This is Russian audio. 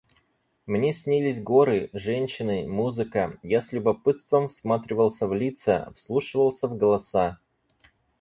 Мне снились горы, женщины, музыка, я с любопытством всматривался в лица, вслушивался в голоса.